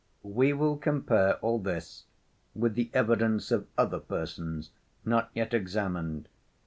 "We will compare all this with the evidence of other persons not yet examined.